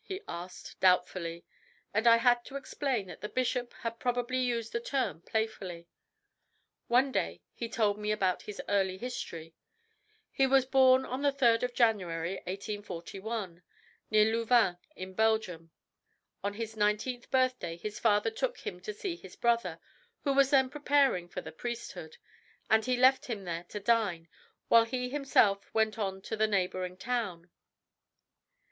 he asked doubtfully, and I had to explain that the bishop had probably used the term playfully. One day he told me about his early history. He was born on the 3rd of January, 1841, near Louvain in Belgium. On his nineteenth birthday his father took him to see his brother, who was then preparing for the priesthood, and he left him there to dine, while he himself went on to the neighbouring town.